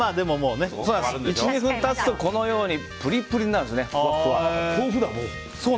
１２分経つとこのようにプリプリになるんです。